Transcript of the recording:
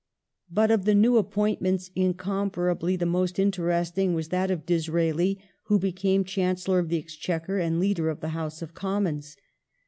But of the new appointments in comparably the most interesting was that of Disraeli, who became Chancellor of the Exchequer and leader of the House of Commons.